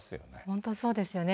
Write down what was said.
本当、そうですよね。